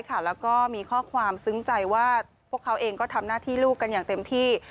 แล้วก็มีข้อความซึ้งใจว่าพวกเขาเองก็ทำหน้าที่ลูกกันอย่างเต็มที่